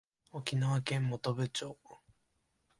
沖縄県本部町